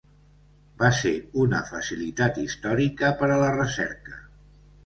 Va ser una facilitat històrica per a la recerca.